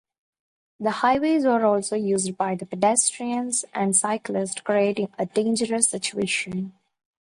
The highways are also used by pedestrians and cyclists creating dangerous situations.